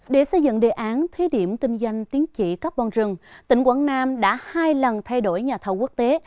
để xây dựng đề án thí điểm kinh doanh tính trị carbon rừng tỉnh quảng nam đã hai lần thay đổi nhà thầu quốc tế